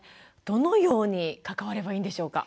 どのように関わればいいんでしょうか？